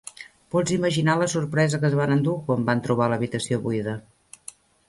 Pots imaginar la sorpresa que es van endur quan van trobar l'habitació buida.